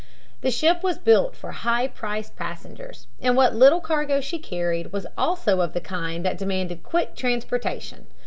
The ship was built for high priced passengers, and what little cargo she carried was also of the kind that demanded quick transportation.